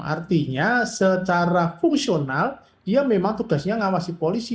artinya secara fungsional dia memang tugasnya mengawasi polisi